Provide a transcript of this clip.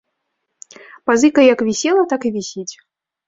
Пазыка як вісела, так і вісіць.